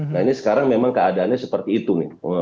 nah ini sekarang memang keadaannya seperti itu nih